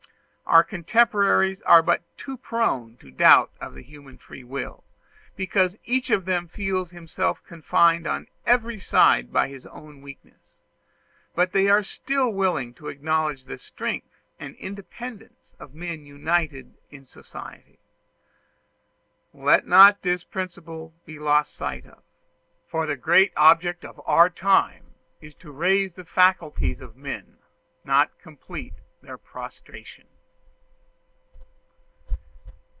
Our contemporaries are but too prone to doubt of the human free will, because each of them feels himself confined on every side by his own weakness; but they are still willing to acknowledge the strength and independence of men united in society. Let not this principle be lost sight of; for the great object in our time is to raise the faculties of men, not to complete their prostration.